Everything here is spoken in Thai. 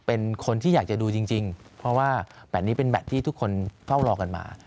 เป็นคนที่อยากจะดูจริงเพราะว่าแบตนี้เป็นแบตที่ทุกคนเฝ้ารอกันมา